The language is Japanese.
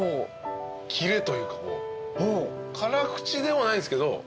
キレというかこう辛口ではないんですけど。